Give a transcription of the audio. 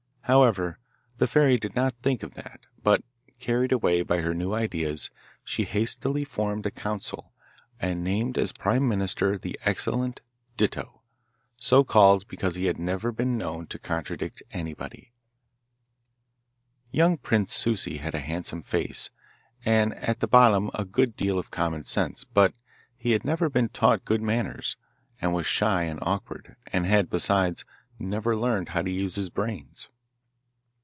However, the fairy did not think of that, but, carried away by her new ideas, she hastily formed a Council, and named as Prime Minister the excellent 'Ditto,' so called because he had never been known to contradict anybody. Young Prince Souci had a handsome face, and at the bottom a good deal of common sense; but he had never been taught good manners, and was shy and awkward; and had, besides, never learned how to use his brains.